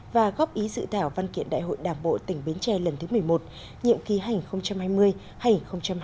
và góp ý dự thảo văn kiện đại hội đảng bộ tỉnh bến tre lần thứ một mươi một nhiệm ký hành hai mươi hành hai mươi năm